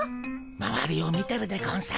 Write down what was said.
まわりを見てるでゴンス。